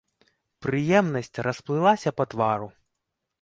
Прыемнасць расплылася па твару.